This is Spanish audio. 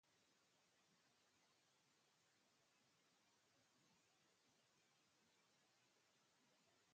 Las funciones del Tribunal eran aquellas que protegían el sistema sanitario nacional.